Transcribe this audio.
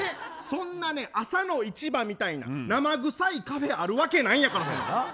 そんな朝の市場みたいな生臭いカフェあるわけないんやから。